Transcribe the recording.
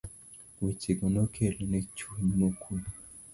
weche go nokelo ne chuny mokwe.